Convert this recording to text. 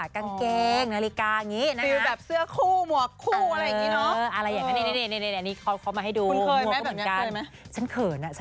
กางเกงนาฬิกาอย่างนี้นะฟิลแบบเสื้อคู่หมวกคู่อะไรอย่างนี้เนอะ